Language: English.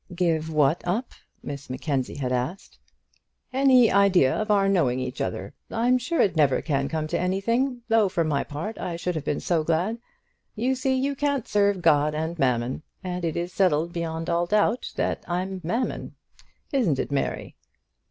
"Give what up?" Miss Mackenzie had asked. "Any idea of our knowing each other. I'm sure it never can come to anything, though for my part I should have been so glad. You see you can't serve God and Mammon, and it is settled beyond all doubt that I'm Mammon. Isn't it, Mary?"